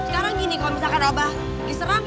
sekarang gini kalau misalkan abah diserang